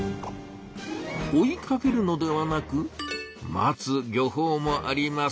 追いかけるのではなく待つ漁法もあります。